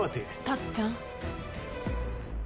タッちゃん。